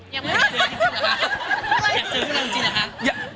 อยากเจอที่นั่นจริงหรือคะ